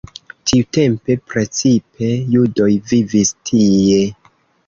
Tiutempe precipe judoj vivis tie.